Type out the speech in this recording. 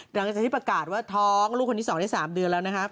หลังจากที่ประกาศว่าท้องลูกคนที่๒ได้๓เดือนแล้วนะครับ